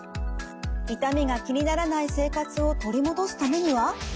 痛みが気にならない生活を取り戻すためには？